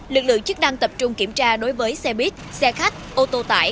lực lượng chức năng tập trung kiểm tra đối với xe buýt xe khách ô tô tải